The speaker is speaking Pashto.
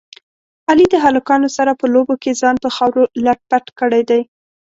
علي د هلکانو سره په لوبو کې ځان په خاورو لت پت کړی دی.